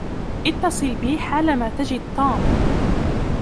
اتّصل بي حالما تجد توم.